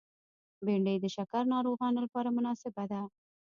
بېنډۍ د شکر ناروغانو لپاره مناسبه ده